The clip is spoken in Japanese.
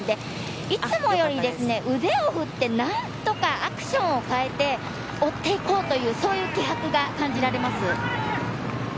いつもより腕を振って何とかアクションを変えて追っていこうというそういう気迫が感じられます。